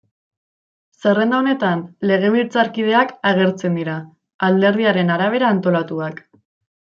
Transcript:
Zerrenda honetan legebiltzarkideak agertzen dira, alderdiaren arabera antolatuak.